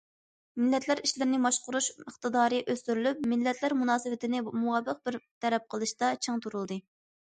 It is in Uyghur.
مىللەتلەر ئىشلىرىنى باشقۇرۇش ئىقتىدارى ئۆستۈرۈلۈپ، مىللەتلەر مۇناسىۋىتىنى مۇۋاپىق بىر تەرەپ قىلىشتا چىڭ تۇرۇلدى.